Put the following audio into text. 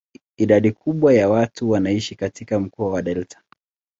Idadi kubwa ya watu wanaishi katika mkoa wa delta.